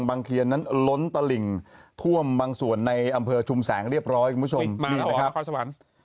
บางเคระนั้นล้นตระหลิงท่วมบางส่วนในอำเภอชุมแสงเรียบร้อยมีโชงมาแล้วค่าสวรรค์